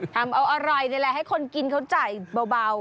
ทำเอาอะไรนี่แหละให้คนกินเข้าใจเบา